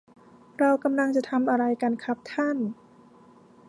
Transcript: เรากำลังจะทำอะไรกันครับท่าน